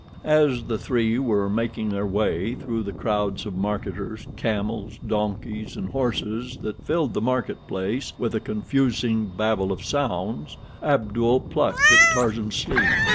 As the three were making their way through the crowds of marketers, camels, donkeys, and horses that filled the market place with a confusing babel of sounds, Abdul plucked at Tarzan's sleeve.